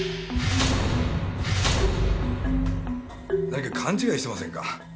何か勘違いしてませんか？